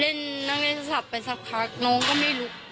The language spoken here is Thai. เล่นนั่งเล่นโทรศัพท์ไปสักพักน้องก็ไม่ลุก